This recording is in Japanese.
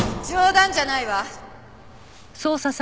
冗談じゃないわ！